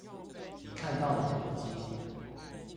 你看到的古蹟